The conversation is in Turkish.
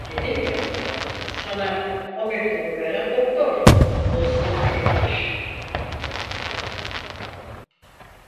Dedim ya, sana o mektubu veren doktor dostun değil imiş.